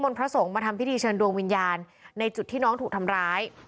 พระสงฆ์มาทำพิธีเชิญดวงวิญญาณในจุดที่น้องถูกทำร้าย